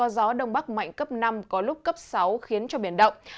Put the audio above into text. gió đông bắc mạnh cấp năm có lúc cấp sáu khiến cho biển động